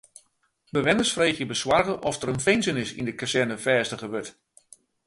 Bewenners freegje besoarge oft der in finzenis yn de kazerne fêstige wurdt.